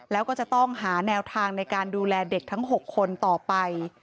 แล้วก็จะต้องหาแนวทางในการดูแลเด็กทั้ง๖คนต่อไป